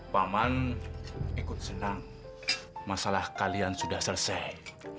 paman ikut senang masalah kalian sudah selesai